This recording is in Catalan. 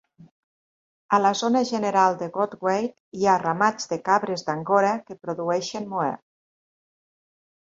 A la zona general de Goldthwaite hi ha ramats de cabres d'Angora que produeixen moher.